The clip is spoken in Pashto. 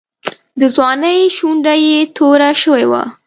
د ځوانۍ شونډه یې توره شوې وه.